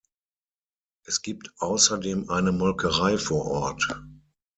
Es gibt außerdem eine Molkerei vor Ort.